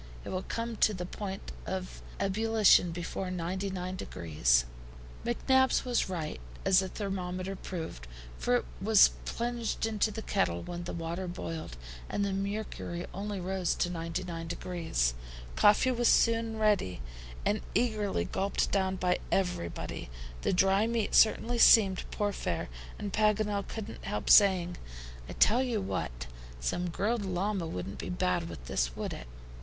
It will come to the point of ebullition before 99 degrees." McNabbs was right, as the thermometer proved, for it was plunged into the kettle when the water boiled, and the mercury only rose to 99 degrees. Coffee was soon ready, and eagerly gulped down by everybody. The dry meat certainly seemed poor fare, and Paganel couldn't help saying: "I tell you what, some grilled llama wouldn't be bad with this, would it?